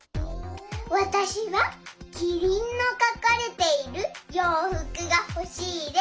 わたしはキリンのかかれているようふくがほしいです。